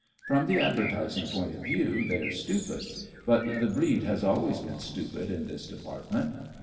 From the advertising point of view they are stupid, but the breed has always been stupid in this depart^ ment.